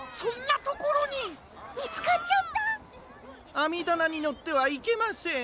あみだなにのってはいけません。